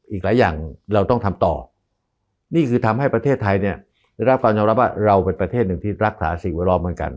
อีกหลายอย่างเราต้องทำต่อนี่คือทำให้ประเทศไทยเนี่ยได้รับความยอมรับว่าเราเป็นประเทศหนึ่งที่รักษาสิ่งแวดล้อมเหมือนกัน